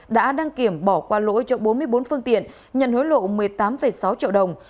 đã đăng kiểm bỏ qua lỗi cho bốn mươi bốn phương tiện nhận hối lộ một mươi tám sáu triệu đồng